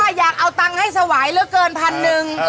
ครับพ่ออยากเอาตังงให้สวายลึกเกินพันหนึ่ง